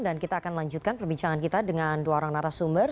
dan kita akan lanjutkan perbincangan kita dengan dua orang narasumber